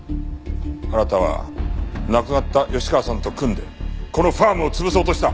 あなたは亡くなった吉川さんと組んでこのファームを潰そうとした！